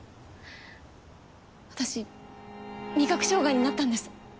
私味覚障害になったんです。